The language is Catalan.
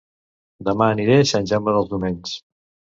Dema aniré a Sant Jaume dels Domenys